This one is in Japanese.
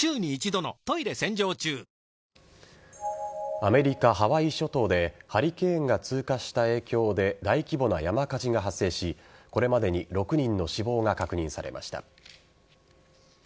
アメリカ・ハワイ諸島でハリケーンが通過した影響で大規模な山火事が発生しこれまでに６人の死亡が確認されました。